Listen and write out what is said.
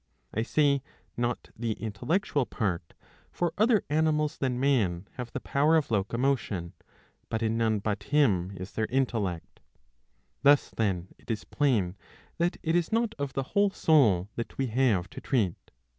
^^ I say not the intellectual part ; for other animals than man have the power of locomotion, but 641b. « 1. I. in none but him is there intellect. Thus then it is plain that it is not of the whole soul that we have to treat.